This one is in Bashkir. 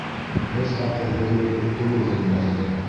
Бер тапҡыр, һөрлөгөп, тубығын бәрҙе.